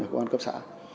ở công an cấp xã